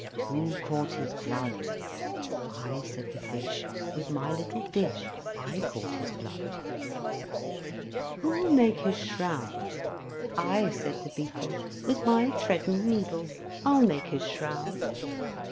Who caught his blood? "I," said the Fish, "With my little dish, I caught his blood." Who'll make his shroud? "I," said the Beetle, "With my thread and needle, I'll make his shroud."